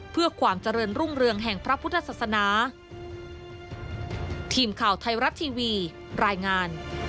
เพื่อความเจริญรุ่งเรืองแห่งพระพุทธศาสนา